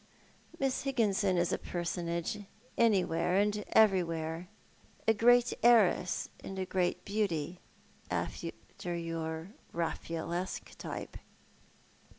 " Miss Higginson is a personage anywhere and everywhere — a great heiress and a great beauty— after your Raffaellesque type."